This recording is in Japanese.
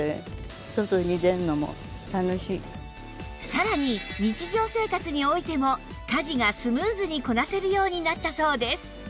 さらに日常生活においても家事がスムーズにこなせるようになったそうです